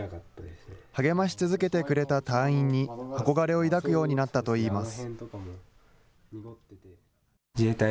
励まし続けてくれた隊員に憧れを抱くようになったといいます。